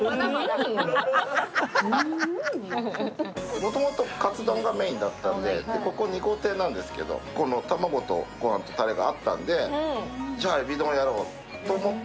もともとカツ丼がメインだったので、ここ２号店なんですけど、卵とご飯とたれがあったんでじゃあ海老丼やろうと思って。